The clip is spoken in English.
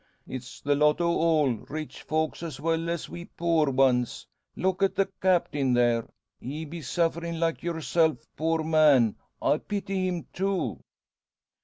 It's the lot o' all rich folks as well as we poor ones. Look at the Captain, there! He be sufferin' like yourself. Poor man! I pity him, too."